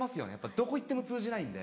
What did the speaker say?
どこ行っても通じないんで。